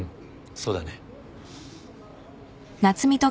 そうだね。